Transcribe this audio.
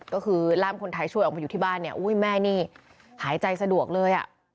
ก็คือล่ามคนไทยช่วยออกมาอยู่ที่บ้านเนี่ยอุ้ยแม่นี่หายใจสะดวกเลยอ่ะ